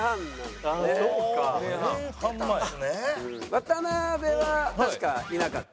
渡辺は確かいなかった。